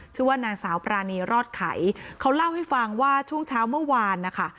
ชื่อว่านางสาวปรานีรอดไขเขาเล่าให้ฟังว่าช่วงเช้าเมื่อวานนะคะ